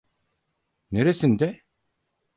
Neresinde?